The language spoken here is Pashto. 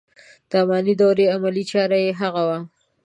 د اماني دورې عملي چاره یې هغه و.